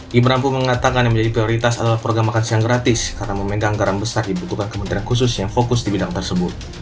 gibran rampung mengatakan yang menjadi prioritas adalah program makan siang gratis karena memegang anggaran besar dibutuhkan kementerian khusus yang fokus di bidang tersebut